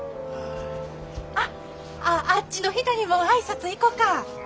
あっああっちの人にも挨拶行こか。